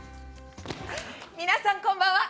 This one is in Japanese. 皆さん、こんばんは。